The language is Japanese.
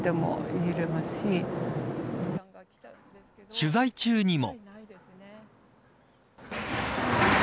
取材中にも。